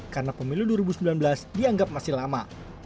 karena pemilihan dua ribu sembilan belas dianggap masih lama